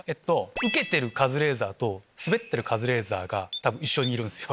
ウケてるカズレーザーとスベってるカズレーザーが一緒にいるんすよ